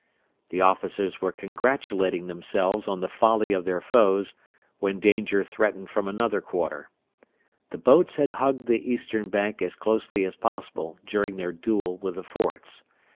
The officers were congratulating themselves on the folly of their foes, when danger threatened from another quarter. The boats had hugged the eastern bank as closely as possible during their duel with the forts.